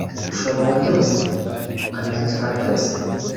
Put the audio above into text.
ushobora byose, ukagenzura byose,